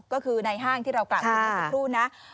ก็คือในห้างที่เรากลับมาสักครู่นะ